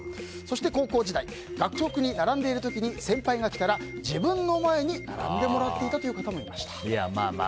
高校時代、学食に並んでいる時に先輩が来たら自分の前に並んでもらっていたという方もいました。